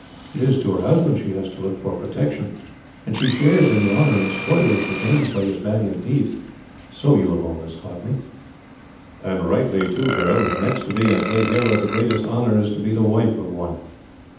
It is to her husband she has to look for protection, and she shares in the honour and spoil which he gains by his valiant deeds, so you have always taught me." "And rightly too, girl. Next to being a great hero, the greatest honour is to be the wife of one.